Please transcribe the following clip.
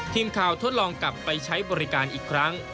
ทดลองกลับไปใช้บริการอีกครั้ง